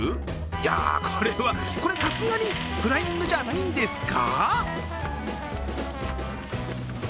いや、これさすがにフライングじゃないんですか？